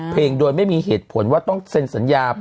เพลงโดยไม่มีเหตุผลว่าต้องเซ็นสัญญา